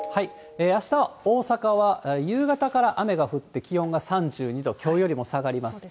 あしたは大阪は夕方から雨が降って、気温が３２度、きょうよりも下がります。